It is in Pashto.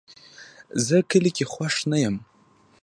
زه کلي کې خوښ نه یم